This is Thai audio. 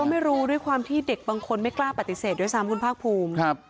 ไม่รู้ด้วยความที่เด็กบางคนไม่กล้าปฏิเสธด้วยซ้ำคุณภาคภูมิ